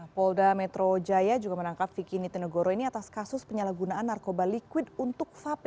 polda metro jaya juga menangkap vicky nitinegoro ini atas kasus penyalahgunaan narkoba liquid untuk vape